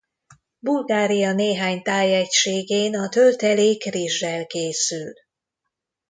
Bulgária néhány tájegységén a töltelék rizzsel készül.